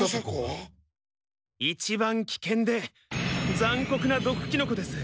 いちばん危険で残酷な毒キノコです。